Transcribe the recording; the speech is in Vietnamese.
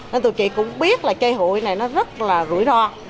nên tụi chị cũng biết là chơi hụi này nó rất là rủi ro